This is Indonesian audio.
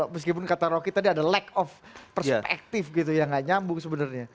meskipun kata rocky tadi ada lack of perspective gitu ya nggak nyambung sebenarnya